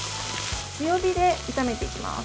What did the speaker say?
強火で炒めていきます。